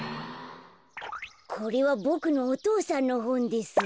これはボクのお父さんのほんです。